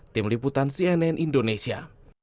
tim liputan cnn indonesia